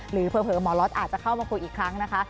เผลอหมอล็อตอาจจะเข้ามาคุยอีกครั้งนะคะ